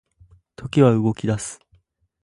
時は動き出す